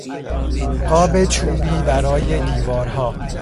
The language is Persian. قاب چوبی برای دیوارها